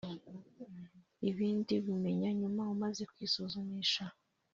ibindi ubimenya nyuma umaze kwisuzumisha